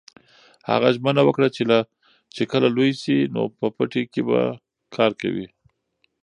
هغه ژمنه وکړه چې کله لوی شي نو په پټي کې به کار کوي.